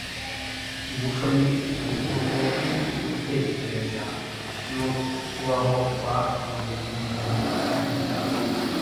Umuco ni uburyo bwo gutekereza no kubaho kwa buri muntu ku giti